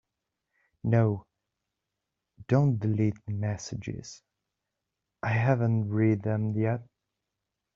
No, don’t delete the messages, I haven’t read them yet.